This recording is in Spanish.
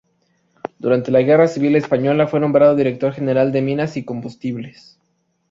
Durante la guerra civil española fue nombrado director general de Minas y Combustibles.